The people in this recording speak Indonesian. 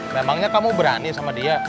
memangnya kamu berani sama dia